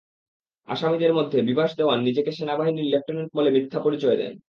আসামিদের মধ্যে বিভাস দেওয়ান নিজেকে সেনাবাহিনীর লেফটেন্যান্ট বলে মিথ্যা পরিচয় দেন।